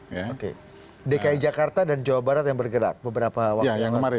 oke dki jakarta dan jawa barat yang bergerak beberapa waktu yang kemarin